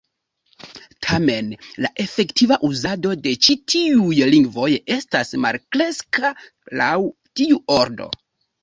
Tamen, la efektiva uzado de ĉi tiuj lingvoj estas malkreska laŭ tiu ordo.